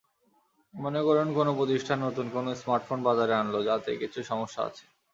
মনে করুন কোনো প্রতিষ্ঠান নতুন কোনো স্মার্টফোন বাজারে আনল, যাতে কিছু সমস্যা আছে।